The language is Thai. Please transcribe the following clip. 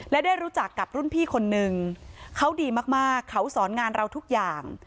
และได้รู้จักกับรุ่นพี่คนนึงเขาดีมากเขาสอนงานเราทุกอย่าง